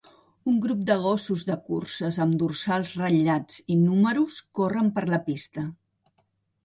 Un grup de gossos de curses amb dorsals ratllats i números corren per la pista.